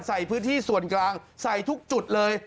ใส่พื้นที่ส่วนกลางใส่ทุกจุดเลย